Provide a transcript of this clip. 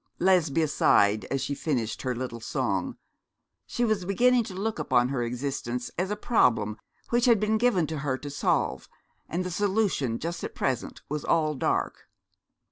Lesbia sighed as she finished her little song. She was beginning to look upon her existence as a problem which had been given to her to solve, and the solution just at present was all dark.